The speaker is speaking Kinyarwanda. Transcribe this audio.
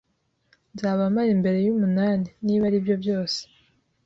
Nzaba mpari mbere yumunani, niba aribyo byose.